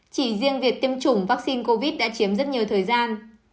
chỉ riêng việc tiêm chủng vaccine covid đã chiếm rất nhiều thời gian